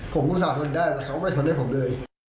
ผมอุตส่าหนได้แต่เขาไม่ทนให้ผมเลย